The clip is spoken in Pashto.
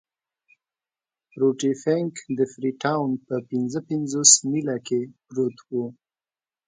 روټي فنک د فري ټاون په پنځه پنځوس میله کې پروت وو.